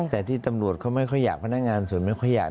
แต่ที่ตำรวจเขาไม่ค่อยอยากพนักงานส่วนไม่ค่อยอยาก